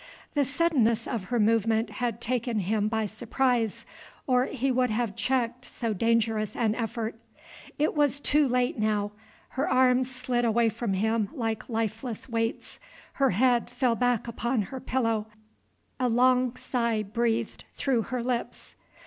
The suddenness of her movement had taken him by surprise, or he would have checked so dangerous an effort. It was too late now. Her arms slid away from him like lifeless weights, her head fell back upon her pillow, along sigh breathed through her lips.